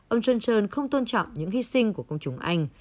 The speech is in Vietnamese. ông johnson không tôn trọng những hy sinh của công chúng anh